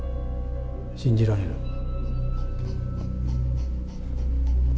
信じられる？